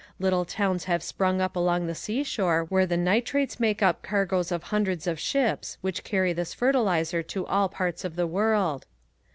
Little towns have sprung up along the seashore where the nitrates make up cargoes of hundreds of ships which carry this fertilizer to all parts of the world.